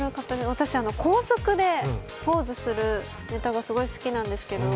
私、高速でポーズするネタがすごい好きなんですけど